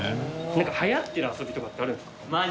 流行ってる遊びとかってあるんですか？